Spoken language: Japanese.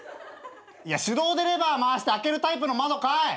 いや手動でレバー回して開けるタイプの窓かい！